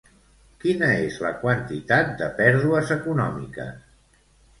Quina és la quantitat de pèrdues econòmiques?